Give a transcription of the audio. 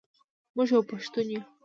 موږ یو پښتون یو.